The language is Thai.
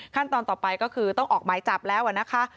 ขั้นตอนต่อไปก็คือต้องออกหมายจับแล้วนะคะ